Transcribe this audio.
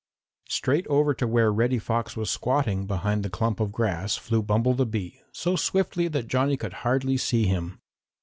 Straight over to where Reddy Fox was squatting behind the clump of grass flew Bumble the Bee, so swiftly that Johnny could hardly see him.